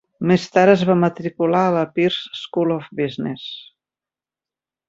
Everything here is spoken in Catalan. Més tard es va matricular a la Peirce School of Business.